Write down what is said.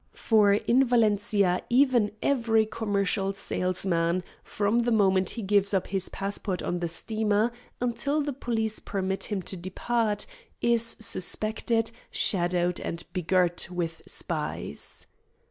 For in Valencia even every commercial salesman, from the moment he gives up his passport on the steamer until the police permit him to depart, is suspected, shadowed, and begirt with spies.